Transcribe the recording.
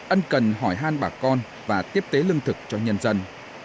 ân cần hỏi han bà con và tiếp tế lương thực cho nhân dân